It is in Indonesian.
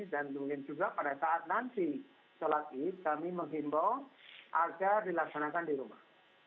dan mungkin juga pada saat nanti sholat id kami mengimbau agar dilaksanakan sholat id